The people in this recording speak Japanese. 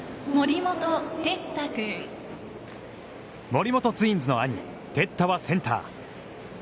森本ツインズの兄・哲太はセンター。